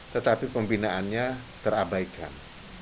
tetapi pembinaannya terabaikan